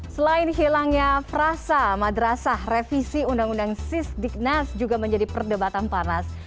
selain hilangnya frasa madrasah revisi undang undang sisdiknas juga menjadi perdebatan panas